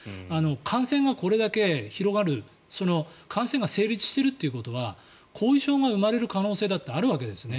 感染がこれだけ広がる感染が成立しているということは後遺症が生まれる可能性だってあるわけですね。